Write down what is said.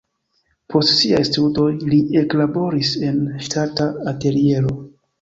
Post siaj studoj li eklaboris en ŝtata ateliero.